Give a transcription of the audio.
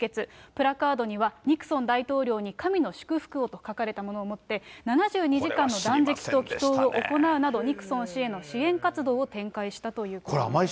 プラカードには、ニクソン大統領に神の祝福をと書かれたものを持って、７２時間の断食と祈とうを行うなど、ニクソン氏への支援活動を展開したということです。